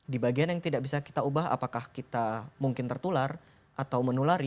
di bagian yang tidak bisa kita ubah apakah kita mungkin tertular atau menulari